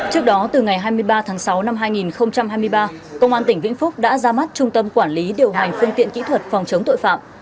trước đó từ ngày hai mươi ba tháng sáu năm hai nghìn hai mươi ba công an tỉnh vĩnh phúc đã ra mắt trung tâm quản lý điều hành phương tiện kỹ thuật phòng chống tội phạm